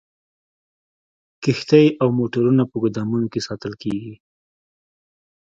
کښتۍ او موټرونه په ګودامونو کې ساتل کیږي